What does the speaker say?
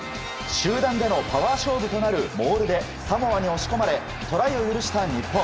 集団でのパワー勝負となるモールでサモアに押し込まれトライを許した日本。